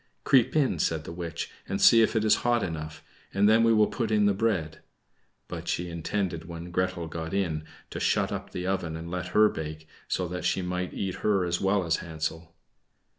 "Creep in," said the witch, "and see if it is hot enough, and then we will put in the bread." But she intended when Gretel got in to shut up the oven and let her bake, so that she might eat her as well as Hansel.